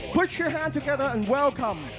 พักแม่งด้วยกันและสวัสดีครับ